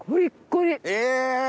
え！